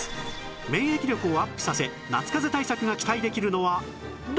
免疫力をアップさせ夏かぜ対策が期待できるのはどれ？